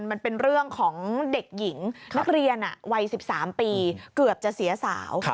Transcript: มันเป็นเรื่องของเด็กหญิงนักเรียนวัย๑๓ปีเกือบจะเสียสาว